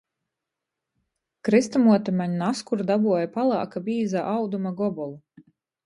Krystamuote maņ naz kur dabuoja palāka, bīza auduma gobolu.